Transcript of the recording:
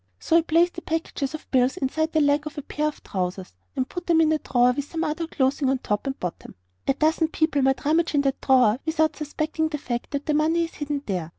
So I placed the packages of bills inside the leg of a pair of trousers, and put them in a drawer with some other clothing at top and bottom. A dozen people might rummage in that drawer without suspecting the fact that money is hidden there.